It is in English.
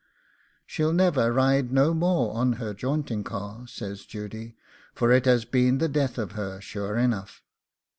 'She'll never ride no more on her jaunting car,' said Judy, 'for it has been the death of her, sure enough.